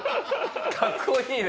かっこいいな。